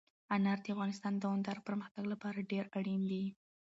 انار د افغانستان د دوامداره پرمختګ لپاره ډېر اړین دي.